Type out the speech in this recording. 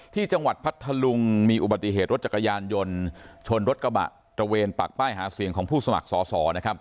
ที่จังหวัดพัทธลุงมีอุบัติเหตุรถจักรยานยนต์ชนรถกระบะตระเวนปักป้ายหาเสียงของผู้สมัครสอสอนะครับ